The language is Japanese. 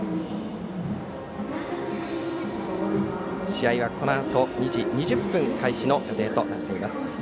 試合はこのあと２時２０分開始予定となっています。